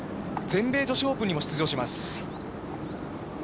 全米女子オープンにも出場します。